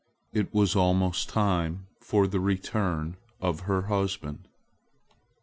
It was almost time for the return of her husband.